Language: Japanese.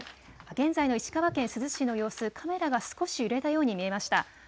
現在の石川県珠洲市の様子、カメラが少し揺れたように見えました。